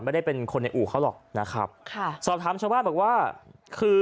ไม่ได้เป็นคนในอู่เขาหรอกนะครับค่ะสอบถามชาวบ้านบอกว่าคือ